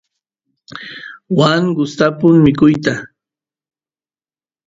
waa gustapun mikuyta